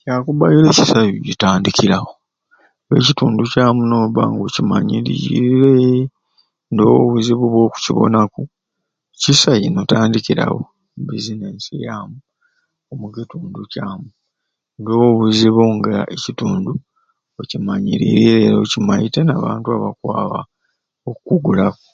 Kyakubaire kisai okukitandikiraku ekitundu kyamu nobba nga okimanyiriireee ndoowo buzibu bwokukifunaku kisai n'otandikirawo e bizinesi yaamu omukitundu kyamu ndoowo buzibu nga ekitundu okimanyiriire okimaite n'abantu bakwaba okukugulaku